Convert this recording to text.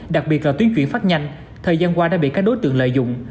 đặc biệt là tuyến chuyển phát nhanh thời gian qua đã bị các đối tượng lợi dụng